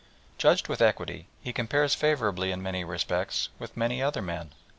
Judged with equity he compares favourably in many points with many other men.